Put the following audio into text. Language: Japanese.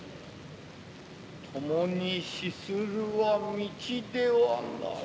共に死するは道ではない。